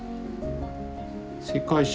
世界史。